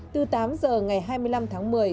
từ tám giờ ngày hai mươi năm tháng một mươi